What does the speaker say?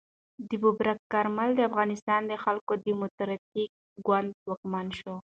ببرک کارمل د افغانستان د خلق دموکراتیک ګوند واکمن شو.